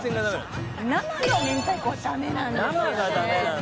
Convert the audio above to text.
生の明太子はダメなんですよね。